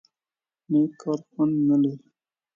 _نېک کار خوند نه لري؟